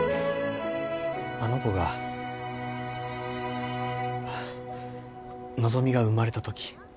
あの子が希が生まれた時。